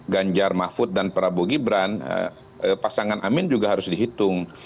ganjar mahfud dan prabowo gibran pasangan amin juga harus dihitung